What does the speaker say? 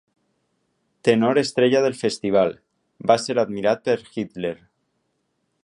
Tenor estrella del festival, va ser admirat per Hitler.